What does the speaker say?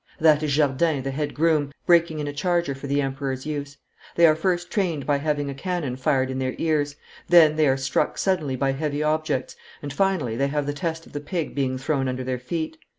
'That is Jardin, the head groom, breaking in a charger for the Emperor's use. They are first trained by having a cannon fired in their ears, then they are struck suddenly by heavy objects, and finally they have the test of the pig being thrown under their feet.